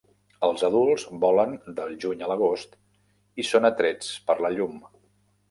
Els adults volen del juny a l'agost i són atrets per la llum.